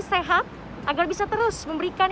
sehat agar bisa terus memberikan